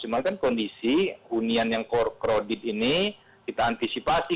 cuma kan kondisi hunian yang krodit ini kita antisipasi